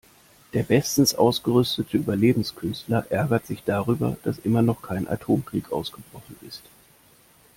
Der bestens ausgerüstete Überlebenskünstler ärgert sich darüber, dass immer noch kein Atomkrieg ausgebrochen ist.